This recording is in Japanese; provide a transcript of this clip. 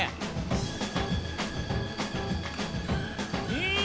うん！